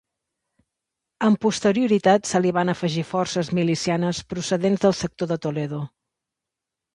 Amb posterioritat se li van afegir forces milicianes procedents del sector de Toledo.